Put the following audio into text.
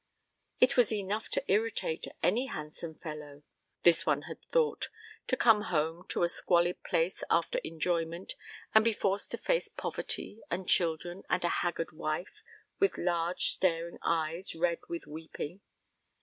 It was enough to irritate any handsome fellow this one had thought to come home to a squalid place after enjoyment, and be forced to face poverty and children and a haggard wife with large staring eyes, red with weeping.